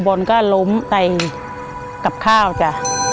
บอลก็ล้มไปกับข้าวจ้ะ